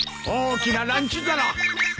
大きなランチ皿。